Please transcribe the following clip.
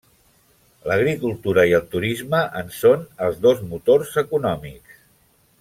L'agricultura i el turisme en són els dos motors econòmics.